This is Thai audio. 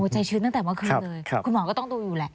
ชื้นตั้งแต่เมื่อคืนเลยคุณหมอก็ต้องดูอยู่แหละ